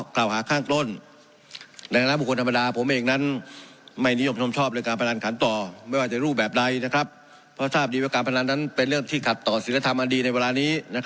กล่าวหาข้างต้น